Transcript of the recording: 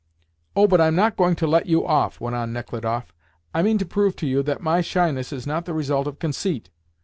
"Oh, but I'm not going to let you off," went on Nechludoff. "I mean to prove to you that my shyness is not the result of conceit."